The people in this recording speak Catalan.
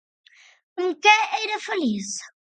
Amb què era feliç?